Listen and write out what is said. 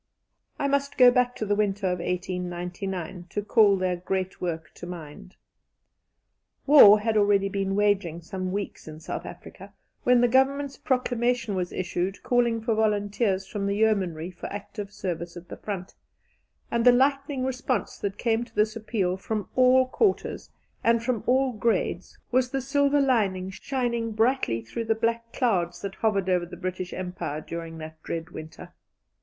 I must go back to the winter of 1899 to call their great work to mind. War had already been waging some weeks in South Africa when the Government's proclamation was issued calling for volunteers from the yeomanry for active service at the front, and the lightning response that came to this appeal from all quarters and from all grades was the silver lining shining brightly through the black clouds that hovered over the British Empire during that dread winter.